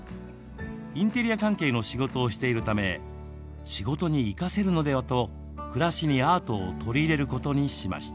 インテリア関係の仕事をしているため仕事に生かせるのではと暮らしにアートを取り入れることにしました。